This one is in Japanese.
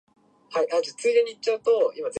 なか